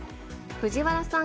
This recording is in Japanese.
藤原さん